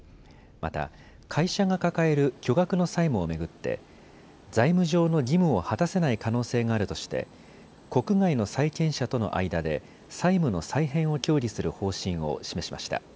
また、会社が抱える巨額の債務を巡って財務上の義務を果たせない可能性があるとして国外の債権者との間で債務の再編を協議する方針を示しました。